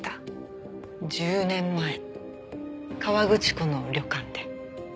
１０年前河口湖の旅館で。